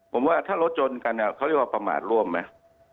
ผมว่าถ้ารถจนกันเนี่ยเขาเรียกว่าประมาทรวมไหม